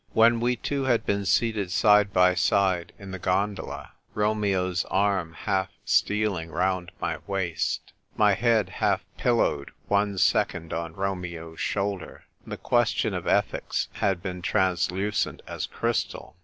When we two had been seated side by side in the gon dola — Romeo's arm half stealing round my waist, my head half pillowed one second on Romeo's shoulder — the question of ethics had been translucent as crystal.